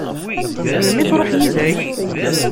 Melmi i tṛuḥ yid-k?